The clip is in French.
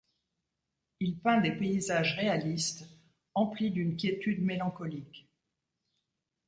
Il peint des paysages réalistes emplis d'une quiétude mélancolique.